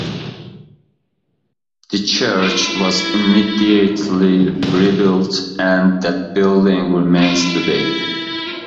The church was immediately rebuilt and that building remains today.